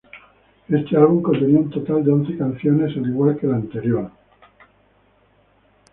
Este álbum contenía un total de once canciones al igual que el anterior.